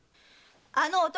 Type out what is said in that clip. あの男